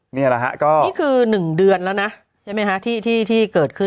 นี่คือหนึ่งเดือนแล้วนะใช่ไหมที่เกิดขึ้น